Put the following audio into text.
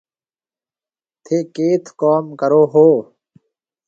ٿَي ڪيٿ ڪوم ڪرون هون